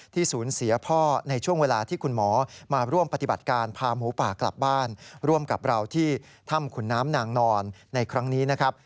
ที่ถ้ำขุนน้ำหน่างนอนในครั้งนี้นะครับ